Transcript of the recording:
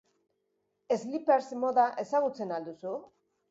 Slippers moda ezagutzen al duzu?